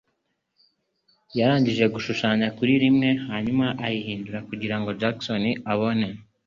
Yarangije gushushanya kuri imwe hanyuma ayihindura kugirango Jackson abone.